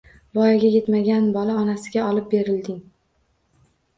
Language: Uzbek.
Voyaga yetmagan bola onasiga olib berilding